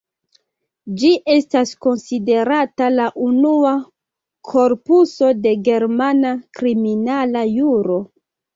Ĝi estas konsiderata la unua korpuso de germana kriminala juro.